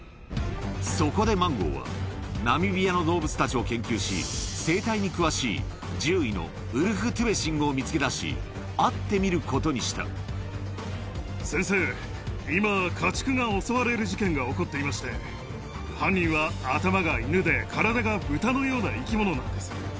そこでマンゴーは、ナミビアの動物たちを研究し、生態に詳しい獣医のウルフ・トゥベシングを見つけだし、会ってみ先生、今、家畜が襲われる事件が起こっていまして、犯人は、頭がイヌで体がブタのような生き物なんです。